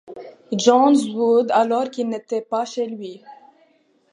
John's Wood alors qu’il n’était pas chez lui.